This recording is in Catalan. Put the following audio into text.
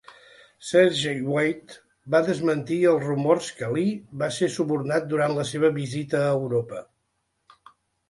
Sergei Witte va desmentir els rumors que Li va ser subornat durant la seva visita a Europa.